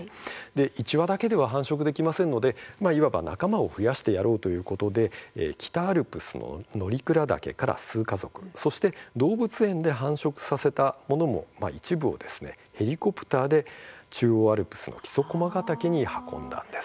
１羽だけでは繁殖できませんのでいわば仲間を増やしてやろうということで北アルプスの乗鞍岳から数家族、そして動物園で繁殖させたものも一部をヘリコプターで中央アルプスの木曽駒ヶ岳に運んだんです。